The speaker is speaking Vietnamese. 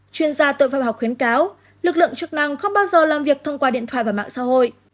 chuyên gia tội phạm học khuyến cáo lực lượng chức năng không bao giờ làm việc thông qua điện thoại và mạng xã hội